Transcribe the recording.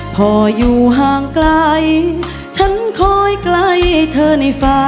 พออยู่ห่างไกลฉันคอยไกลเธอในฟ้า